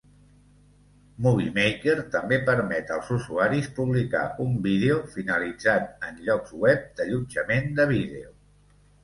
Movie Maker també permet als usuaris publicar un vídeo finalitzat en llocs web d'allotjament de vídeo.